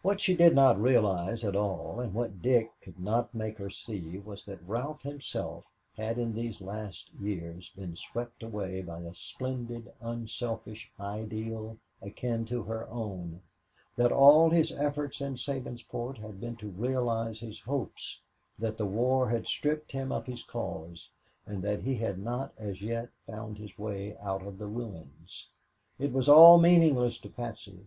What she did not realize at all, and what Dick could not make her see, was that Ralph himself had in these last years been swept away by a splendid, unselfish ideal akin to her own, that all his efforts in Sabinsport had been to realize his hopes, that the war had stripped him of his cause, and that he had not as yet found his way out of the ruins. It was all meaningless to Patsy.